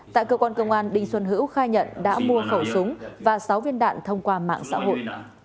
tại cơ quan công an đinh xuân hữu khai nhận đã mua khẩu súng và sáu viên đạn thông qua mạng xã hội